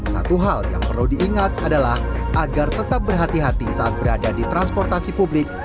satu hal yang perlu diingat adalah agar tetap berhati hati saat berada di transportasi publik